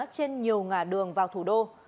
trên nhiều ngả đường vào thủ đô